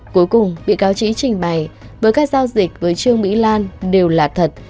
cuối cùng bị cáo trí trình bày với các giao dịch với trương mỹ lan đều là thật